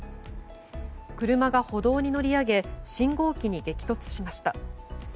車が歩道に乗り上げ信号機に激突しました。